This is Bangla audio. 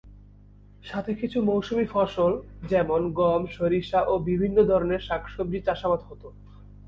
সাথে কিছু মৌসুমি ফসল যেমনঃ গম, সরিষা ও বিভিন্ন ধরনের শাক সবজি চাষাবাদ হতো।